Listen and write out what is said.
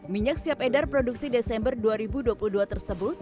minyak siap edar produksi desember dua ribu dua puluh dua tersebut